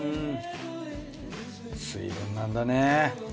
水分なんだね。